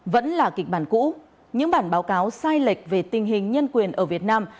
vẫn là kịch bản cũ những bản báo cáo sai lệch về tình hình nhân quyền ở việt nam